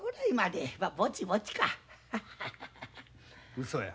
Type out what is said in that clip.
うそや。